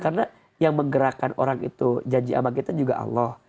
karena yang menggerakkan orang itu janji sama kita juga allah